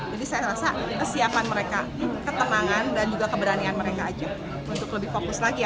jadi saya rasa kesiapan mereka ketenangan dan juga keberanian mereka aja untuk lebih fokus lagi ya